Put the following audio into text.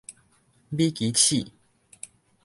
米奇鼠